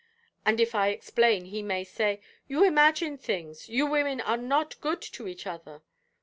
And if I explain, he may say: 'You imagine things; you women are not good to each other.'